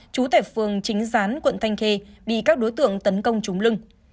trú tại phường chính gián quận thanh khê bị các đối tượng tấn công trúng lưng